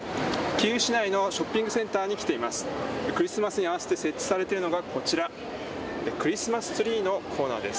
キーウ市内のショッピングセンターに来ています。